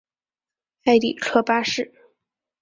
埃里克八世。